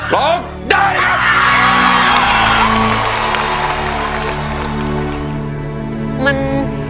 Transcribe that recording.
บอกได้นะครับ